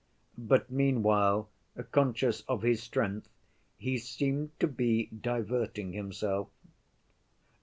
But meanwhile, conscious of his strength, he seemed to be diverting himself.